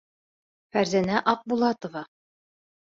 Фәрзәнә АҠБУЛАТОВА.